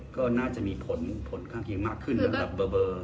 ก็น่าจะมีผลข้างกินมากขึ้นเบอร์